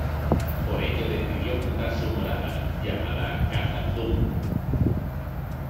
Por ello decidió fundar su Morada, llamada Khazad-dûm.